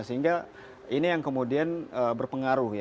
sehingga ini yang kemudian berpengaruh ya